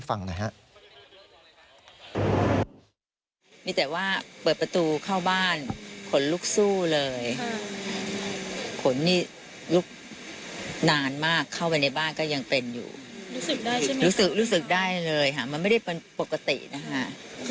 คุณจะเชื่อว่า